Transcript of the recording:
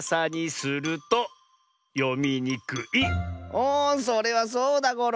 おそれはそうだゴロ！